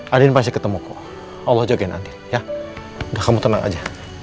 andin pasti ketemu kok allah jagain andin ya udah kamu tenang aja